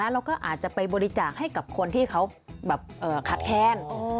แล้วก็อาจจะไปบริจาคให้กับคนที่เขาขัดแค้น